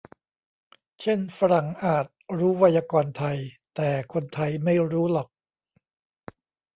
เช่นฝรั่งอาจรู้ไวยากรณ์ไทย แต่คนไทยไม่รู้หรอก